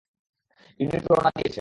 Unit রওয়ানা দিয়েছে।